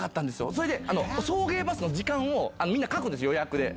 それで、送迎バスの時間をみんな書くんですよ、予約で。